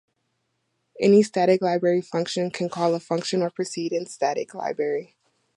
Any static library function can call a function or procedure in another static library.